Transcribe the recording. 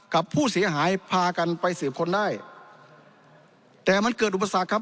กับผู้เสียหายพากันไปสืบค้นได้แต่มันเกิดอุปสรรคครับ